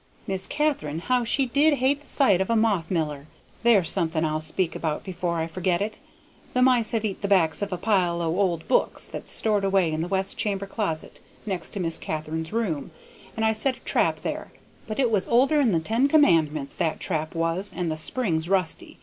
Miss Katharine, how she did hate the sight of a moth miller! There's something I'll speak about before I forget it: the mice have eat the backs of a pile o' old books that's stored away in the west chamber closet next to Miss Katharine's room, and I set a trap there, but it was older 'n the ten commandments, that trap was, and the spring's rusty.